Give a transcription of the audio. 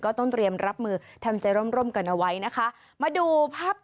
ก็ต้องเตรียมรับมือทำใจร่มกันเอาไว้นะคะมาดูภาพถ่ายจากแผนที่อากาศนะคะ